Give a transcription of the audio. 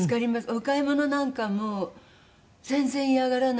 お買い物なんかも全然嫌がらなくて。